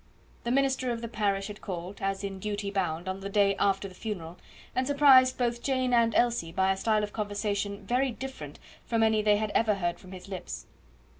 The minister of the parish had called, as in duty bound, on the day after the funeral, and surprised both Jane and Elsie by a style of conversation very different from any they had ever heard from his lips.